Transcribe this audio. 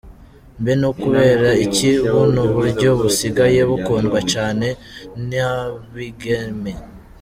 Mbe ni kubera iki buno buryo busigaye bukundwa cane n'abigeme? .